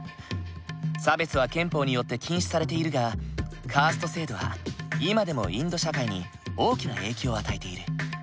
差別は憲法によって禁止されているがカースト制度は今でもインド社会に大きな影響を与えている。